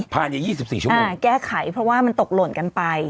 ผ่านอย่าง๒๔ชั่วโมงอ่ะแก้ไขเพราะว่ามันตกหล่นกันไป